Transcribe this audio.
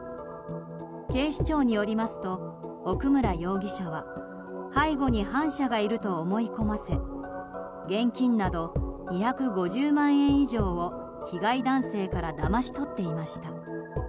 警視庁によりますと奥村容疑者は背後に反社がいると思い込ませ現金など２５０万円以上を被害男性からだまし取っていました。